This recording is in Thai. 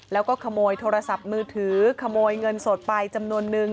แล้วก็ขโมยโทรศัพท์มือถือขโมยเงินสดไปจำนวนนึง